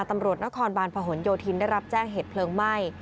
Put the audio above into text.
ตำรวจนครบานผ่ะหนโยธินทร์ได้รับแจ้งเผลิงไหม้